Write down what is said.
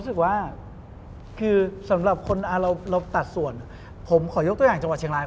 ถึงแจ้วเงิน